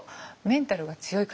メンタルが強い。